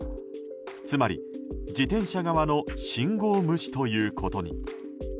つまり、自転車側の信号無視ということに。